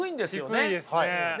低いですね。